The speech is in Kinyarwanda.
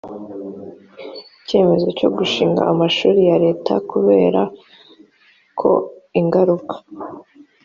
ikemezo cyo gushinga amashuri ya leta kubera ko ingaruka